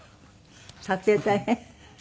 撮影大変？